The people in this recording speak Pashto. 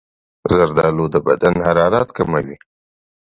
زردالو د بدن حرارت کموي.